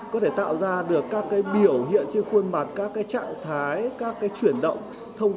có thể tạo ra được các biểu hiện trên khuôn mặt các trạng thái các chuyển động